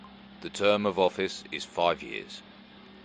The term of office is five years.